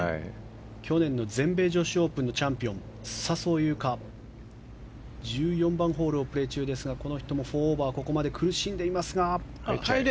去年の全米女子オープンのチャンピオン笹生優花、１４番ホールをプレー中ですがこの人も４オーバーここまで苦しんでいますが。